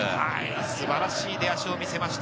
素晴らしい出足を見せました。